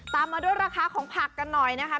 มาด้วยราคาของผักกันหน่อยนะคะ